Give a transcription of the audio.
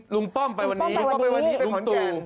ลุงป้อมไปวันนี้ลุงตู่